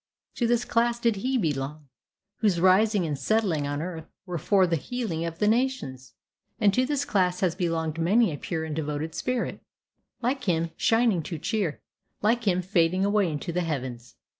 To this class did He belong, whose rising and setting on earth were for "the healing of the nations;" and to this class has belonged many a pure and devoted spirit, like him shining to cheer, like him fading away into the heavens.